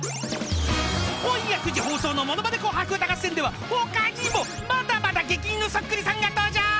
［今夜９時放送の『ものまね紅白歌合戦』では他にもまだまだ激似のそっくりさんが登場］